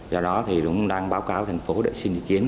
do đó thì cũng đang báo cáo thành phố để xin ý kiến